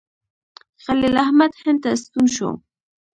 خلیل احمد هند ته ستون شو.